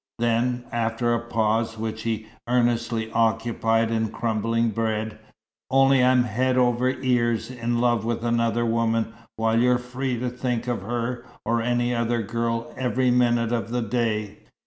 Then, after a pause, which he earnestly occupied in crumbling bread. "Only I'm head over ears in love with another woman, while you're free to think of her, or any other girl, every minute of the day."